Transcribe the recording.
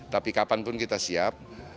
tapi kapanpun kita siap